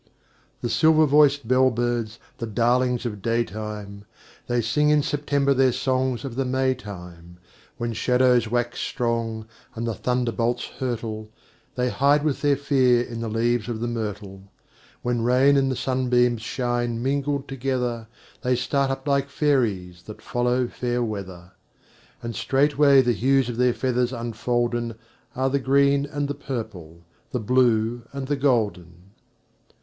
The silver voiced bell birds, the darlings of daytime! They sing in September their songs of the May time; When shadows wax strong, and the thunder bolts hurtle, They hide with their fear in the leaves of the myrtle; When rain and the sunbeams shine mingled together, They start up like fairies that follow fair weather; And straightway the hues of their feathers unfolden Are the green and the purple, the blue and the golden.